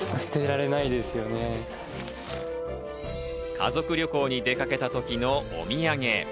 家族旅行に出かけたときのお土産。